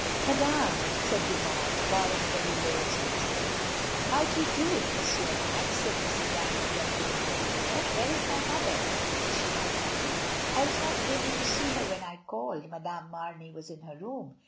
"Madame," said Du Pare, bowing very low as usual. "How do you'do, M. Max?" said Mrs. Dymond, welcoming her visitor. "Where is my mother? Is she not coming?" "I was not able to see her when I called — Madame Marney was in her room.